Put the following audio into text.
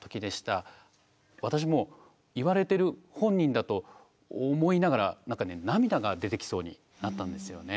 私も言われてる本人だと思いながら何かね涙が出てきそうになったんですよね。